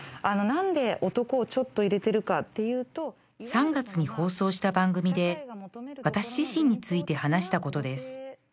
３月に放送した番組で私自身について話したことです